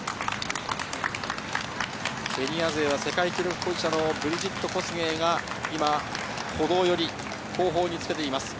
ケニア勢は世界記録保持者のブリジット・コスゲイが今、歩道寄り、後方につけています。